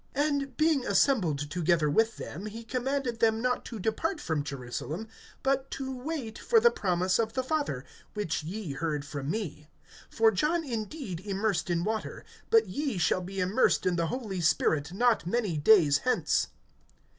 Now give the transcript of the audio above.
(4)And, being assembled together with them, he commanded them not to depart from Jerusalem, but to wait for the promise of the Father, which ye heard from me; (5)for John indeed immersed in water; but ye shall be immersed in the Holy Spirit, not many days hence.